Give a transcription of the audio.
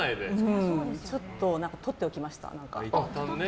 ちょっと、取っておきました。